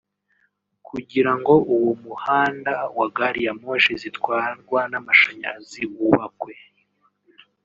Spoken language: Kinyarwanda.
kugira ngo uwo muhanda wa gari ya moshi zitwarwa n’amashanyarazi wubakwe